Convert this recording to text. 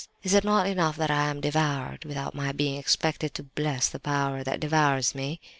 Is it not enough that I am devoured, without my being expected to bless the power that devours me?